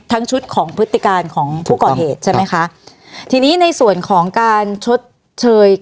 ชุดของพฤติการของผู้ก่อเหตุใช่ไหมคะทีนี้ในส่วนของการชดเชย